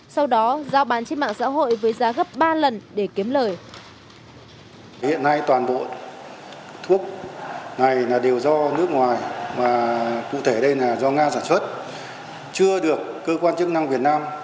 sau đó giao bán trên mạng xã hội